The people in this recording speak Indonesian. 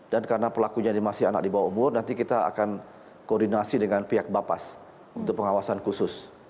dan karena pelakunya masih anak di bawah umur nanti kita akan koordinasi dengan pihak bapas untuk pengawasan khusus